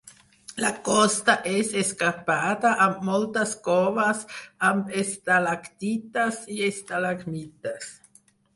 La costa és escarpada amb moltes coves amb estalactites i estalagmites.